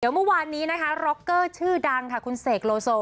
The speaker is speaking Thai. เมื่อวานนี้นะคะร็อกเกอร์ชื่อดังค่ะคุณเสกโลโซ